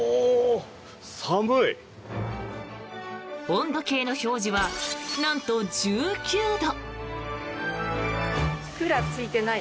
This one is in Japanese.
温度計の表示はなんと、１９度。